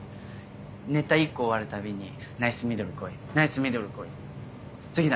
ネタ１個終わるたびに「ナイスミドルこいナイスミドルこい次だ！